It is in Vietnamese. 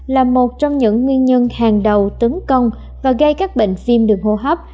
là một trong những nguyên nhân hàng đầu tấn công và gây các bệnh phim đường hô hấp